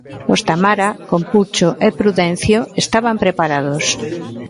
Os Tamara, con Pucho e Prudencio, estaban preparados.